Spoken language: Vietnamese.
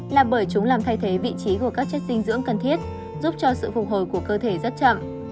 là bởi chúng làm thay thế vị trí của các chất dinh dưỡng cần thiết giúp cho sự phục hồi của cơ thể rất chậm